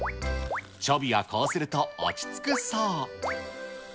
チョビはこうすると落ち着くそう。